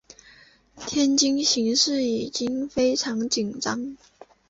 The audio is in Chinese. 天津形势已经非常紧张。